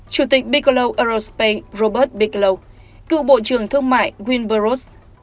chủ tịch bigelow aerospace robert bigelow cựu bộ trưởng thương mại gwynn burroughs